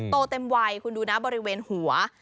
โตเต็มวัยคุณดูนะบริเวณหัว